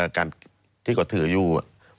การที่เขาถืออยู่